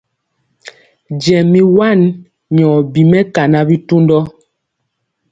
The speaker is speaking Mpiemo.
Jɛ mi wan nyɔ bi mɛkana bitundɔ.